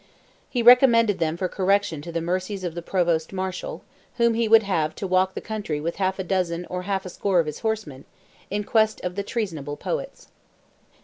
He recommended them for correction to the mercies of the Provost Marshal, whom he would have "to walk the country with half a dozen or half a score of horsemen," in quest of the treasonable poets.